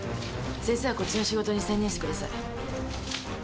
先生はこっちの仕事に専念してください。